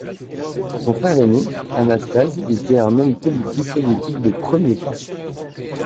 Son frère aîné Anastase était un homme politique soviétique de premier plan.